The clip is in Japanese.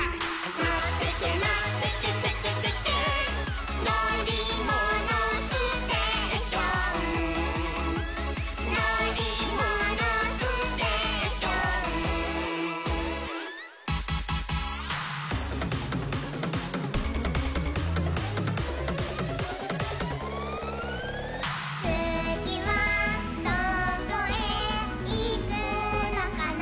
「のってけのってけテケテケ」「のりものステーション」「のりものステーション」「つぎはどこへいくのかな」